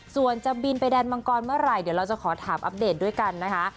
ส่วนจะบินไปแดนมังกรเมื่อไหร่เดี๋ยวเราจะขอถามอัปเดตด้วยกันนะคะ